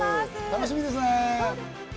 楽しみですね。